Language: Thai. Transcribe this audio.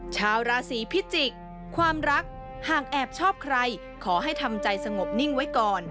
ชาวราศีพิจิกษ์ความรักหากแอบชอบใครขอให้ทำใจสงบนิ่งไว้ก่อน